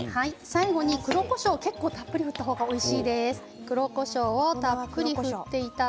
最後に黒こしょうを結構たっぷり振った方がおいしいです。